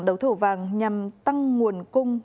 đấu thẩu vàng nhằm tăng nguồn cung